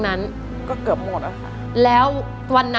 ต้องคือน้ำ